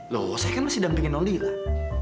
loh saya kan masih dampingin oli lah